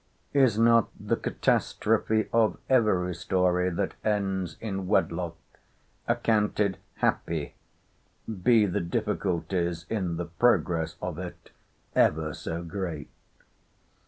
Is not the catastrophe of every story that ends in wedlock accounted happy, be the difficulties in the progress of it ever so great.